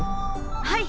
はい！